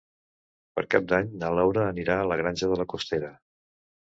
Per Cap d'Any na Laura anirà a la Granja de la Costera.